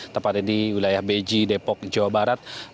tepatnya di wilayah beji depok jawa barat